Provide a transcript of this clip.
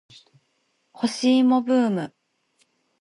干し芋ブーム